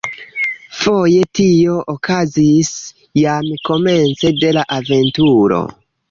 Foje tio okazis jam komence de la aventuro.